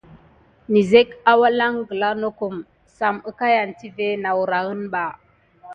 Nəzek alangla nokum sam əkayan tive nawrahən ɓa.